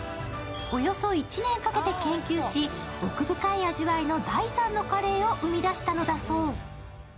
およそ１年かけて研究し、奥深い味わいの第３のカレーを生み出したのだそう。